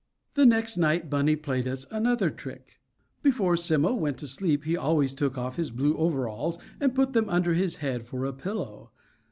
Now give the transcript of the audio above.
The next night Bunny played us another trick. Before Simmo went to sleep he always took off his blue overalls and put them under his head for a pillow.